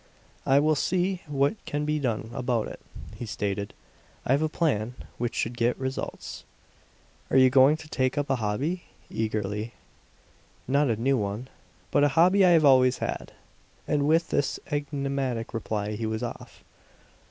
"I will see what can be done about it," he stated. "I have a plan which should get results." "Are you going to take up a hobby?" eagerly. "Not a new one; but a hobby I have always had." And with this enigmatic reply he was off.